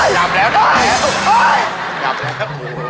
อย่าไปแล้วโอ้โฮ